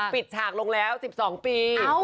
ปริดฉากลงแล้ว๑๒ปี